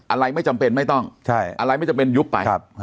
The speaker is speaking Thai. อะไรไม่จำเป็นไม่ต้องอะไรไม่จำเป็นยุบไป